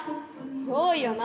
多いよな。